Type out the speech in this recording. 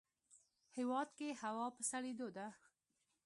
هیواد کې هوا په سړیدو ده